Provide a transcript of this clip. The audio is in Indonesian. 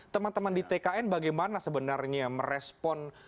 teman teman di tkn bagaimana sebenarnya merespon